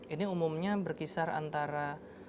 ini umumnya berkisar antara